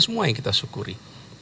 semua yang kita syukuri